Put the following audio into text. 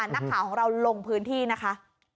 นักข่าวของเราลงพื้นที่นะคะ